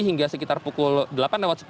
hingga sekitar pukul delapan lewat sepuluh